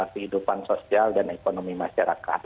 kehidupan sosial dan ekonomi masyarakat